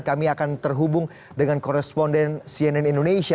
kami akan terhubung dengan koresponden cnn indonesia